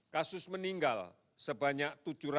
kasus meninggal sebanyak tujuh ratus tujuh puluh tiga